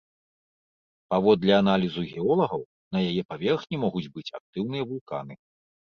Паводле аналізу геолагаў, на яе паверхні могуць быць актыўныя вулканы.